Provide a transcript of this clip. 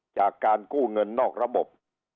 จากการกู้เงินนอกระบบ